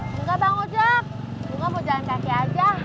nggak bang ojek nga mau jalan kaki aja